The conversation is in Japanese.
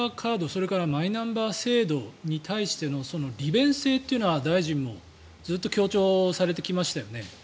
それからマイナンバー制度に対しての利便性というのは大臣もずっと強調されてきましたよね。